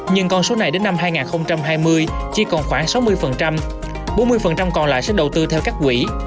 nhưng con số này đến năm hai nghìn hai mươi chỉ còn khoảng sáu mươi bốn mươi còn lại sẽ đầu tư theo các quỹ